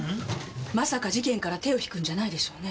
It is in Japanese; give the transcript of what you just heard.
まさか事件から手を引くんじゃないでしょうね？